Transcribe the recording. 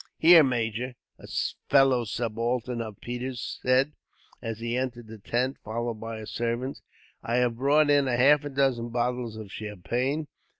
"Here, major," a fellow subaltern of Peters' said, as he entered the tent, followed by a servant; "I have brought in half a dozen bottles of champagne.